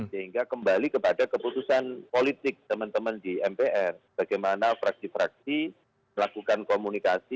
sehingga kembali kepada keputusan politik teman teman di mpr bagaimana fraksi fraksi melakukan komunikasi